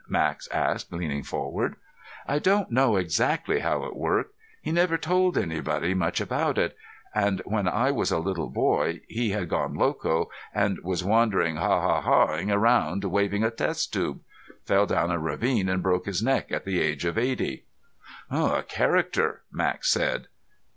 Max asked, leaning forward. "I don't know exactly how it worked. He never told anybody much about it, and when I was a little boy he had gone loco and was wandering ha ha ing around waving a test tube. Fell down a ravine and broke his neck at the age of eighty." "A character," Max said.